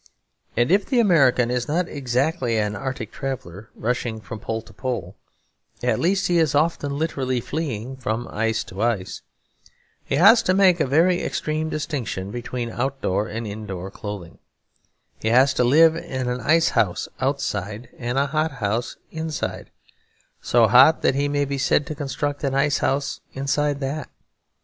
And if the American is not exactly an arctic traveller rushing from pole to pole, at least he is often literally fleeing from ice to ice. He has to make a very extreme distinction between outdoor and indoor clothing. He has to live in an icehouse outside and a hothouse inside; so hot that he may be said to construct an icehouse inside that.